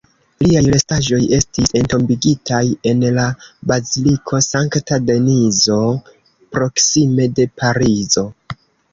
Liaj restaĵoj estis entombigitaj en la baziliko Sankta Denizo, proksime de Parizo.